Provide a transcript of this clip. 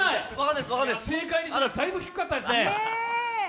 正解率がだいぶ低かったですね。